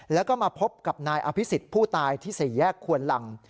แล้วก็มาพบกับนายอภิษฎผู้ตายที่๔แยกควนลัง